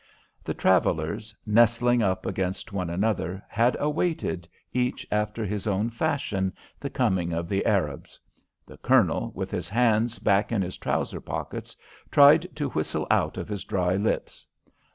The travellers, nestling up against one another, had awaited, each after his own fashion, the coming of the Arabs. The Colonel, with his hands back in his trouser pockets, tried to whistle out of his dry lips.